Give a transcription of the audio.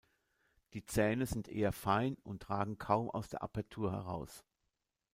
Die Zähne sind eher fein und ragen kaum aus der Apertur heraus.